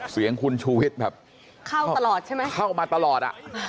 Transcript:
เสียงคุณชูวิชเข้ามาตลอด